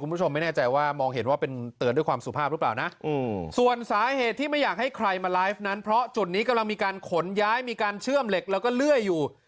คุณผู้ชมไม่แน่ใจว่ามองเห็นว่าเป็นเตือนด้วยความสุภาพหรือเปล่านะส่วนสาเหตุที่ไม่อยากให้ใครมาไลฟ์นั้นเพราะจุดนี้กำลังมีการขนย้ายมีการเชื่อมเหล็กแล้วก็เลื่อยอยู่